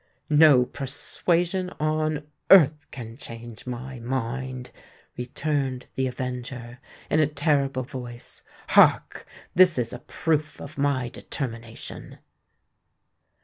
"No persuasion on earth can change my mind!" returned the avenger, in a terrible voice. "Hark! this is a proof of my determination!"